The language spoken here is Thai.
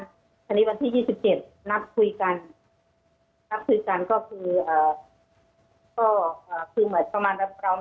คราวนี้วันที่๒๗นับคุยกัน